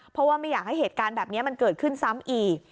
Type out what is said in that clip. เพราะว่าไม่อยากให้เหตุการณ์แบบนี้มันเกิดขึ้นซ้ำอีก